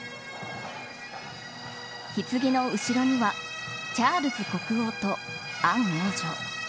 ひつぎの後ろにはチャールズ国王とアン王女。